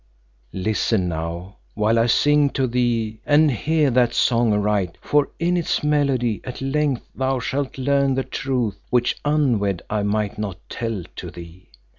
"Listen now while I sing to thee and hear that song aright, for in its melody at length thou shalt learn the truth, which unwed I might not tell to thee.